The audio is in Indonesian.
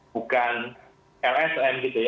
bukan lsm gitu ya